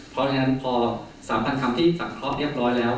เพราะฉะนั้นพอ๓๐๐คำที่สังเคราะห์เรียบร้อยแล้ว